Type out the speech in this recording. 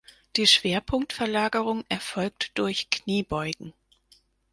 Die Schwerpunktverlagerung erfolgt durch Kniebeugen.